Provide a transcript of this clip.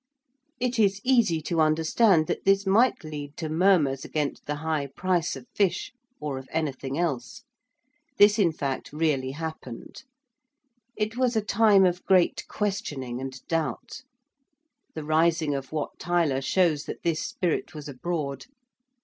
It is easy to understand that this might lead to murmurs against the high price of fish or of anything else. This, in fact, really happened. It was a time of great questioning and doubt; the rising of Wat Tyler shows that this spirit was abroad.